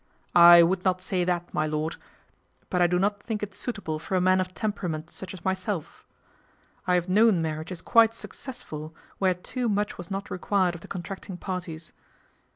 " I would not say that, my lord ; but I do not think it suitable for a man of temperament such as myself. I have known marriages quite success ful where too much was not required of the con tracting parties."